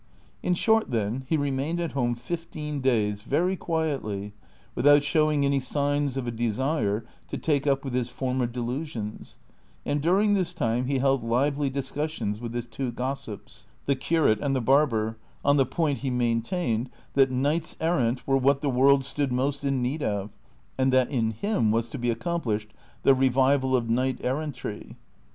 In short, then, he remained at home fifteen days very quietly without showing any signs of a desire to take up with his former delusions, and during this time he held lively discus sions with his two gossips, the curate and the barber, on the point he maintained, that knights errant were Avhat the world stood most in need of, and that in him was to be accomplished the revival of knight errantry.